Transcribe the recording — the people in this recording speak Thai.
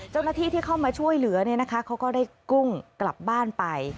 เจ้าหน้าที่ที่เข้ามาช่วยเหลือเนี่ยนะคะเขาก็ได้กุ้งกลับบ้านไป